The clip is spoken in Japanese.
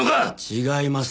違います。